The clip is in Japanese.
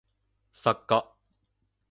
作家